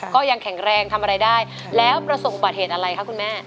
ก็ยังแข็งแรงทำอะไรได้แล้วประสบอุบัติเหตุอะไรคะคุณแม่